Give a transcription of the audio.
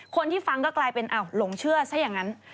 คนที่ฟังก็กลายเป็นหลงเชื่อซะอย่างนั้น